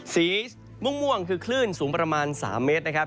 สีม่วงคือคลื่นสูงประมาณ๓เมตรนะครับ